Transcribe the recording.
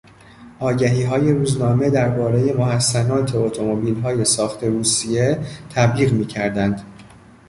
آگهیهای روزنامه دربارهی محسنات اتومبیلهای ساخت روسیه تبلیغ میکردند.